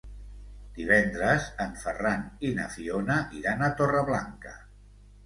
Divendres en Ferran i na Fiona iran a Torreblanca.